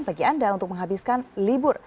bagi anda untuk menghabiskan libur